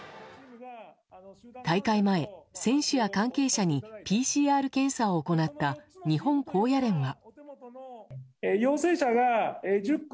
大会前、選手や関係者にＰＣＲ検査を行った日本高野連は。